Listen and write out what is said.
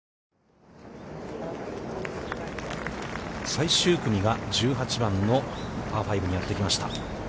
最終組が１８番のパー５にやってきました。